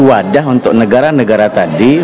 wadah untuk negara negara tadi